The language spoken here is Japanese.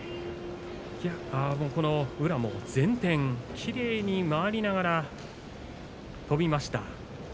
宇良も前転きれいに回りながら飛びました。